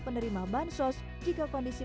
penerima bansos jika kondisi